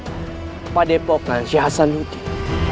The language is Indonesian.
kepadepokan sheikh hasanuddin